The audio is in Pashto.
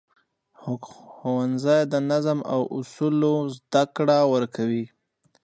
ښوونځی د نظم او اصولو زده کړه ورکوي